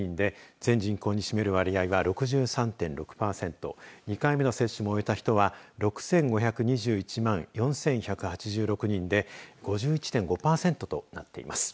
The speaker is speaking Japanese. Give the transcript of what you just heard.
全人口に占める割合が６３．６パーセント２回目の接種も終えた人は６５２１万４１８６人で５１．５パーセントとなっています。